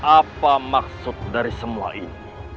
apa maksud dari semua ini